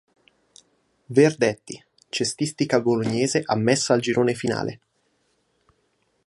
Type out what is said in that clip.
Verdetti: Cestistica Bolognese ammessa al girone finale.